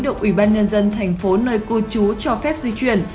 được ủy ban nhân dân thành phố nơi cư trú cho phép di chuyển